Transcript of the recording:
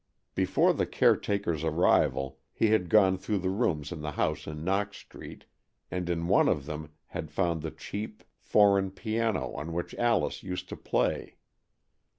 Before the caretaker's arrival, he had gone through the rooms in the house in Knox Street, and in one of them had found the cheap foreign 206 AN EXCHANGE OF SOULS piano on which Alice used to play.